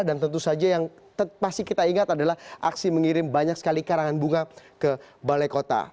dan tentu saja yang pasti kita ingat adalah aksi mengirim banyak sekali karangan bunga ke balai kota